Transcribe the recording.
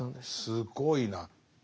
すごいな。